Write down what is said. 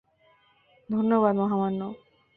ধন্যবাদ, মহামান্য!